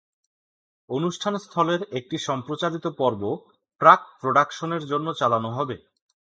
অনুষ্ঠানস্থলের একটি সম্প্রচারিত পর্ব প্রাক-প্রডাকশনের জন্য চালানো হবে।